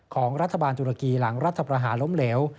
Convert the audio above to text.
ของรัฐบาลตุรกีหลังรัฐประหารล้มเหลว